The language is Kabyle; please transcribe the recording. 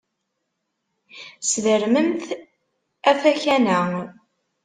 Sdermemt afakan-a.